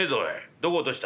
どこ落とした？」。